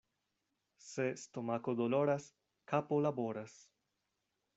Se stomako doloras, kapo laboras.